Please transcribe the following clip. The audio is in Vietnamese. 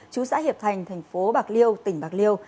chú xã hiệp thành tp bạc liêu tỉnh bạc liêu